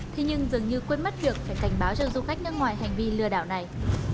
thế nhưng dường như quên mất việc phải cảnh báo cho du khách nước ngoài hành vi lừa đảo này